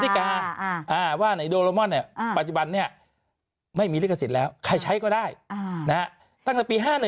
สาธิการ์ว่าในโดรมอนด์ปัจจุบันนี้ไม่มีลิขสิทธิ์แล้วใครใช้ก็ได้ตั้งแต่ปี๕๑